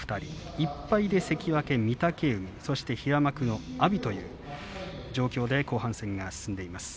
１敗で関脇御嶽海平幕の阿炎という状況で後半戦が進んでいます。